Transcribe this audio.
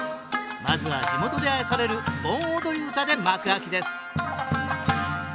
まずは地元で愛される盆踊り唄で幕開きです